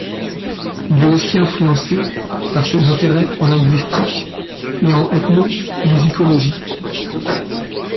Il est aussi influencé par ses intérêts en linguistique et en ethnomusicologie.